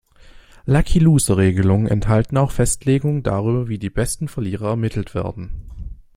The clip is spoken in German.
Lucky-Loser-Regelungen enthalten auch Festlegungen darüber, wie die „besten Verlierer“ ermittelt werden.